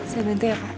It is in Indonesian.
saya bantu ya pak